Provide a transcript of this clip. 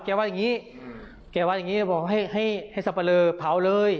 แกวะอย่างงี้แกวะอย่างงี้บอกว่าให้ให้ให้สับปะเลอเผาเลย